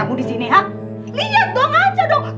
bisa berubah juga